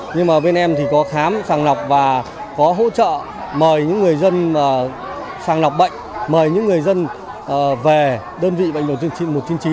nhưng mà bên em thì có khám sàng lọc và có hỗ trợ mời những người dân sàng lọc bệnh mời những người dân về đơn vị bệnh viện trị một trăm chín mươi chín